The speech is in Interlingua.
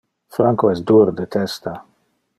Franco es dur de testa.